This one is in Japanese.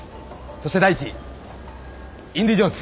そして第１位インディ・ジョーンズ。